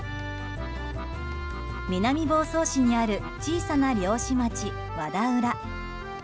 南房総市にある小さな漁師町和田浦。